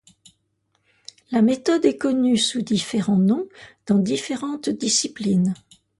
La méthode est connue sous différents noms dans différentes disciplines.